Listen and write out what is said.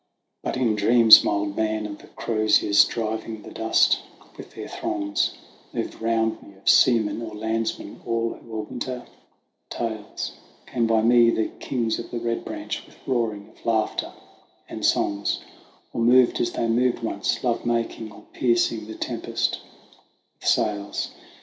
But in dreams, mild man of the croziers, driv ing the dust with their throngs, Moved round me, of seamen or landsmen, all who are winter tales; 132 THE WANDERINGS OF 01 SIN Came by me the Kings of the Red Branch, with roaring of laughter and songs, Or moved as they moved once, love making or piercing the tempest with sails.